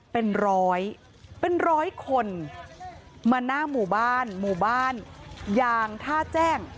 เป็นร้อยเป็นร้อยคนมาหน้าหมู่บ้านหมู่บ้านยางท่าแจ้ง